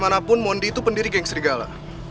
mau gimana pun mondi itu pendiri geng serigala